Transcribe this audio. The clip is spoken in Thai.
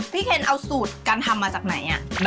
เคนเอาสูตรการทำมาจากไหน